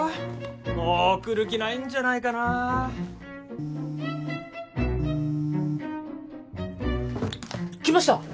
もう来る気ないんじゃないかなきました！